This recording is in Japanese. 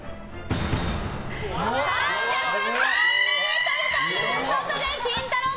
３０３ｍ！ということでキンタロー。